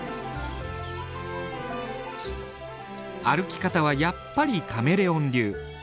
歩き方はやっぱりカメレオン流。